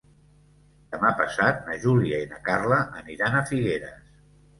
Demà passat na Júlia i na Carla aniran a Figueres.